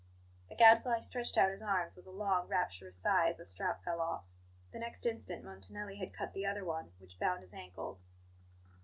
The Gadfly stretched out his arms with a long, rapturous sigh as the strap fell off. The next instant Montanelli had cut the other one, which bound his ankles.